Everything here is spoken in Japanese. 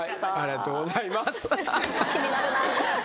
気になるな。